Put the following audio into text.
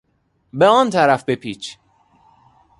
به آن طرف بپیچ!